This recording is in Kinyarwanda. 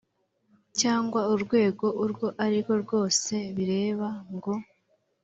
cyangwa urwego urwo ari rwo rwose bireba ngo